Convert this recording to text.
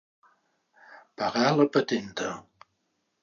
Pagar la patenta.